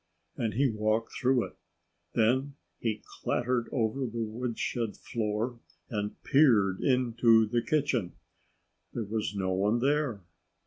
And he walked through it. Then he clattered over the woodshed floor and peered into the kitchen. There was no one there.